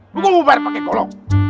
lu gua mau bayar pakek kalau